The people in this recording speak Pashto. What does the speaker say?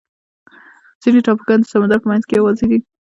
ځینې ټاپوګان د سمندر په منځ کې یوازې دي.